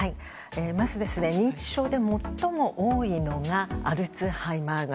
まず、認知症で最も多いのがアルツハイマー型。